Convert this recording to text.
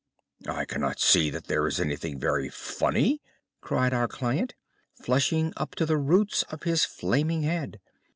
"I cannot see that there is anything very funny," cried our client, flushing up to the roots of his flaming head.